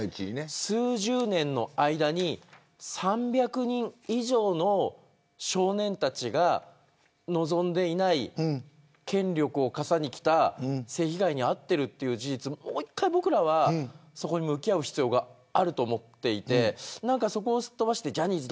数十年の間に３００人以上の少年たちが望んでいない権力を笠に着た性被害に遭っているという事実をもう一回、僕らはそこに向き合う必要があると思っていてそこをすっ飛ばしてジャニーズ